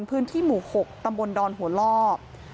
พื้นที่หมู่๖ตำบลดอนหัวล่อ